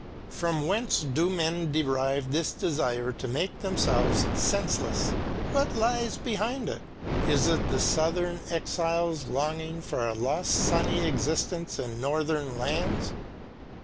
From whence do men derive this desire to make themselves senseless? What lies behind it? Is it the southern exile's longing for a lost sunny existence in northern lands?